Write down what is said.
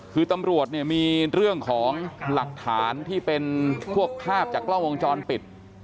คือตำรวจเนี่ยมีเรื่องของหลักฐานที่เป็นพวกภาพจากกล้องวงจรปิด